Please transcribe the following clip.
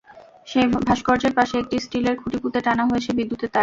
সেই ভাস্কর্যের পাশে একটি স্টিলের খুঁটি পুঁতে টানা হয়েছে বিদ্যুতের তার।